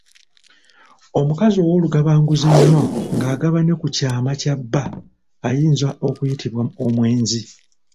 Omukazi ow'olugabangulizo ennyo ng'agaba ne ku kyama kya bba ayinza okuyitibwa omwenzi.